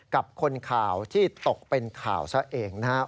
กับคนข่าวที่ตกเป็นข่าวซะเองนะครับ